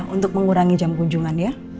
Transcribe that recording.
untuk mengurangi jam kunjungan ya